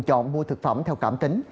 chọn mua thực phẩm theo cảm tính